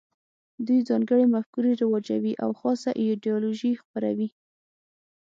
دوی ځانګړې مفکورې رواجوي او خاصه ایدیالوژي خپروي